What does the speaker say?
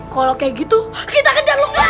kalau kayak gitu kita kejar rukman